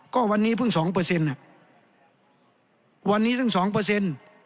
ก็วันนี้เพิ่งสองเปอร์เซ็นต์อ่ะวันนี้ทั้งสองเปอร์เซ็นต์